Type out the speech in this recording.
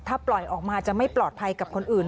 ถ้าปล่อยออกมาจะไม่ปลอดภัยกับคนอื่น